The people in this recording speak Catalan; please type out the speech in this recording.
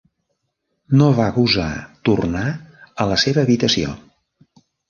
No va gosar tornar a la seva habitació.